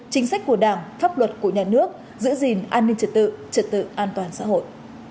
chính sách của đảng pháp luật của nhà nước giữ gìn an ninh trật tự trật tự an toàn xã hội